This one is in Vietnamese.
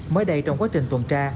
mới đây trong quá trình tuần tra